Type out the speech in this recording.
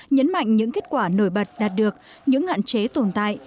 nhấn mạnh những kết quả nổi bật đạt được những hạn chế tồn tại